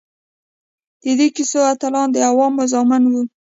د دې کیسو اتلان د عوامو زامن وو.